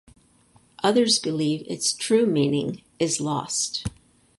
Others believe its true meaning is lost.